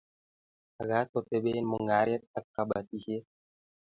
Magat ketoben mung'aret ak kabatishet